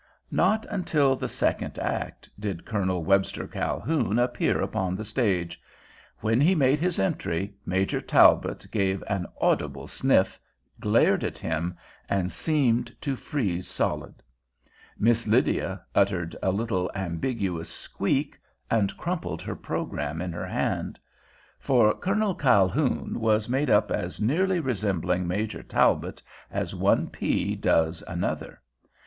Not until the second act did Col. Webster Calhoun appear upon the stage. When he made his entry Major Talbot gave an audible sniff, glared at him, and seemed to freeze solid. Miss Lydia uttered a little, ambiguous squeak and crumpled her program in her hand. For Colonel Calhoun was made up as nearly resembling Major Talbot as one pea does another.